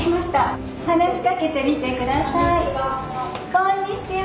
こんにちは。